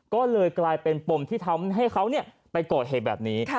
ก็เลยกลายเป็นปมที่ทำให้เขาไปก่อเหตุแบบนี้